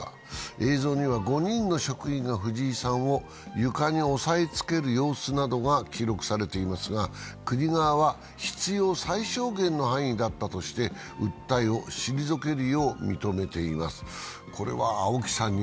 映像には５人の職員がフジイさんを床に押さえつける様子などが記録されていますが国側は、必要最小限の範囲だったとして訴えを退けるよう求めています。